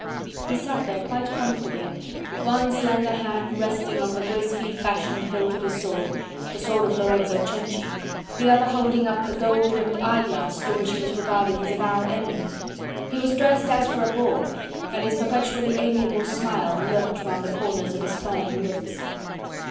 He sat there quite comfortably, one slender hand resting on the gracefully fashioned hilt of his sword the sword of Lorenzo Cenci, the other holding up the gold rimed eyeglass through which he was regarding his avowed enemy; he was dressed as for a ball, and his perpetually amiable smile lurked round the corners of his firm lips.